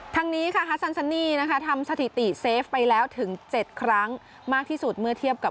ทั้งนี้ค่ะฮัสซันซันนี่นะคะทำสถิติเซฟไปแล้วถึง๗ครั้งมากที่สุดเมื่อเทียบกับ